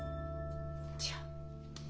じゃあ？